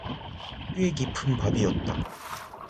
꽤 깊은 밥이었다.